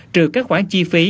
trừ các khoản chi phí